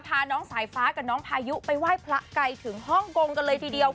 พาน้องสายฟ้ากับน้องพายุไปไหว้พระไกลถึงฮ่องกงกันเลยทีเดียว